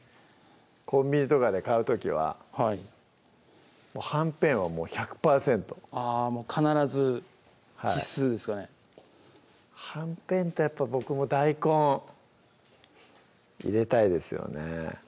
コンビニとかで買う時ははいはんぺんは１００％あぁ必ず必須ですかねはんぺんとやっぱ僕も大根入れたいですよね